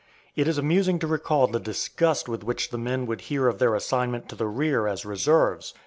It is amusing to recall the disgust with which the men would hear of their assignment to the rear as reserves.